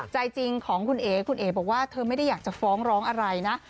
ใจจริงของคุณเอ๋คุณเอ๋บอกว่าเธอไม่ได้อยากจะฟ้องร้องอะไรนะ